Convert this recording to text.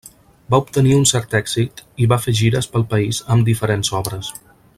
Va obtenir un cert èxit i va fer gires pel país amb diferents obres.